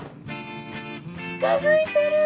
近づいてる！